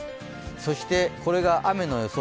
そしてこれが雨の予想